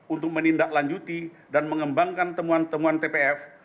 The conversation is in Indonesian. untuk menindaklanjuti dan mengembangkan temuan temuan tpf